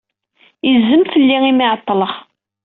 Yezzem fell-i imi ay ɛeḍḍleɣ.